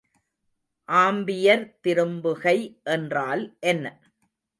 Ampere திரும்புகை என்றால் என்ன?